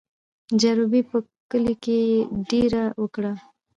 د جروبي په کلي کې یې دېره وکړه.